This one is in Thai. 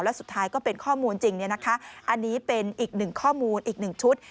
และสุดท้ายก็เป็นข้อมูลจริงอันนี้เป็นอีกหนึ่งข้อมูลอีกหนึ่งชุด